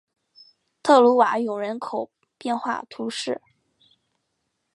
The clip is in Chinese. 特鲁瓦永人口变化图示